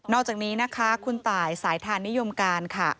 อกจากนี้นะคะคุณตายสายทานนิยมการค่ะ